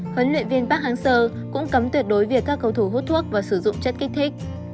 huấn luyện viên park hang seo cũng cấm tuyệt đối việc các cầu thủ hút thuốc và sử dụng chất kích thích